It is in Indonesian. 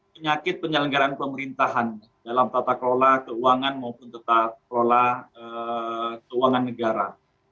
penyakit penyelenggaraan pemerintahan dalam tata kelola keuangan maupun tata kelola keuangan negara